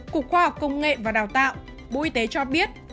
cục khoa học công nghệ và đào tạo bộ y tế cho biết